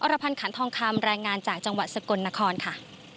รพันธ์ขันทองคำรายงานจากจังหวัดสกลนครค่ะ